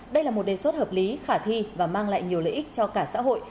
đây là một đề xuất hợp lý khả thi và mang lại nhiều lợi ích cho cả xã hội